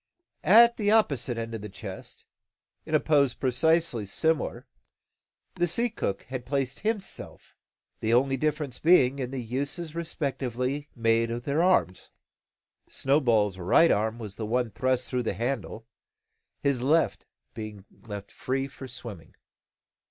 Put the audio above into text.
At the opposite end of the chest, in a pose precisely similar, the sea cook had placed himself, the only difference being in the uses respectively made of their arms. Snowball's right arm was the one thrust through the handle, his left being left free for swimming.